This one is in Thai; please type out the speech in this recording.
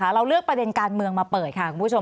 เราเลือกประเด็นการเมืองมาเปิดค่ะคุณผู้ชม